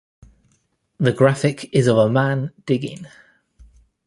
The graphic is of a man digging.